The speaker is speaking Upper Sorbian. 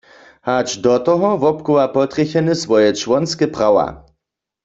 Hač do toho wobchowa potrjecheny swoje čłonske prawa.